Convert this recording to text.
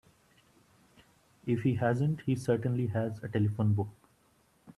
If he hasn't he certainly has a telephone book.